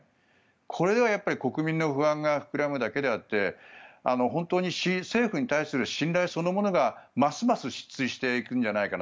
これではやっぱり国民の不安が膨らむだけあって本当に政府に対する信頼そのものがますます失墜していくんじゃないかな。